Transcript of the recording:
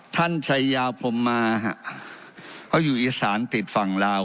ท่านชัยยาพรมมาฮะเขาอยู่อีสานติดฝั่งลาว